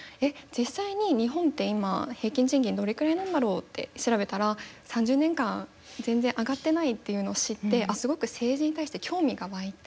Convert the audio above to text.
実際に日本って今平均賃金どれくらいなんだろうって調べたら３０年間全然上がってないっていうのを知ってすごく政治に対して興味が湧いて。